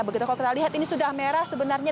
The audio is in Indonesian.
begitu kalau kita lihat ini sudah merah sebenarnya